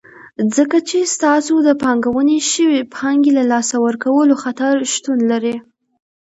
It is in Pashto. ځکه چې ستاسو د پانګونې شوي پانګې له لاسه ورکولو خطر شتون لري.